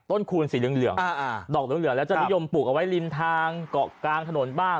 คูณสีเหลืองดอกเหลืองเหลืองแล้วจะนิยมปลูกเอาไว้ริมทางเกาะกลางถนนบ้าง